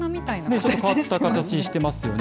ちょっと変わった形してますよね。